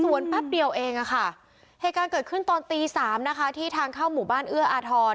แป๊บเดียวเองอะค่ะเหตุการณ์เกิดขึ้นตอนตีสามนะคะที่ทางเข้าหมู่บ้านเอื้ออาทร